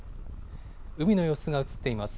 海の様子が映っています。